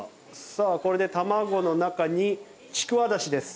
さあこれで卵の中にちくわダシです。